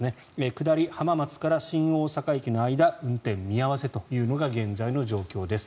下り、浜松から新大阪駅の間運転見合わせというのが現在の状況です。